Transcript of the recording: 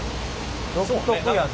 独特やね。